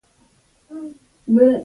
وزې د غره شنه خواړه خوښوي